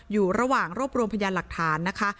อยู่ระหว่างรวบรวมพยานหลักฐานนะคะ